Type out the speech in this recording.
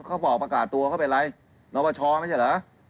เขาบอกประกาศตัวเขาเป็นอะไรนอปชไม่ใช่เหรอ